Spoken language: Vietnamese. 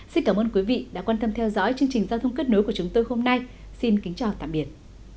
xin cảm ơn quý vị đã quan tâm theo dõi chương trình giao thông kết nối của chúng tôi hôm nay xin kính chào tạm biệt